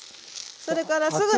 それからすぐに。